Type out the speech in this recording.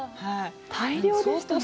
大漁でしたね。